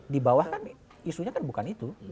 di bawah kan isunya kan bukan itu